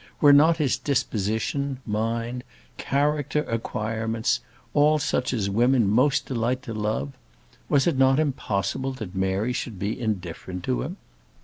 Were not his disposition, mind, character, acquirements, all such as women most delight to love? Was it not impossible that Mary should be indifferent to him?